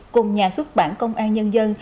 cùng nhà xuất bản công an nhân dân